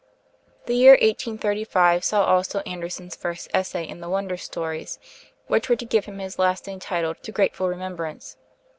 The year 1835 saw also Andersen's first essay in the 'Wonder Stories' which were to give him his lasting title to grateful remembrance.